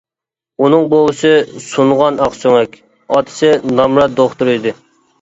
ئۇنىڭ بوۋىسى سۇنغان ئاقسۆڭەك، ئاتىسى نامرات دوختۇر ئىدى.